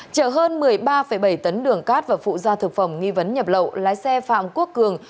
chở hơn một mươi ba bảy tấn đường cát và phụ gia thực phẩm nghi vấn nhập lậu lái xe phạm quốc cường